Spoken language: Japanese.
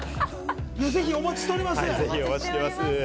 ぜひお待ちしております。